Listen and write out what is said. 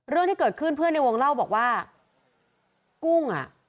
เรื่องที่เกิดขึ้นเพื่อนในวงเล่าบอกว่ากุ้งอ่ะ